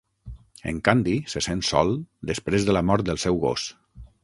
En Candy se sent sol després de la mort del seu gos.